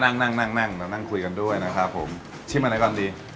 นั่งเรานั่งคุยกันด้วยนะครับผมชิมอะไรก่อนดี